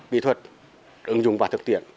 kỹ thuật ứng dụng và thực tiện